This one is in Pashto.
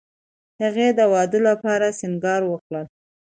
هغې د واده لپاره سینګار وکړ